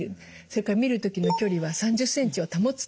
それから見る時の距離は３０ｃｍを保つ。